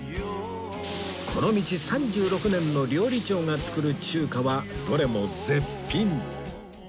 この道３６年の料理長が作る中華はどれも絶品！